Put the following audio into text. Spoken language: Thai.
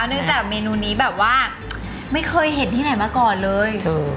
เนื่องจากเมนูนี้แบบว่าไม่เคยเห็นที่ไหนมาก่อนเลย